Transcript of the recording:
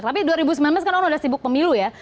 tapi dua ribu sembilan belas kan orang udah sibuk pemilu ya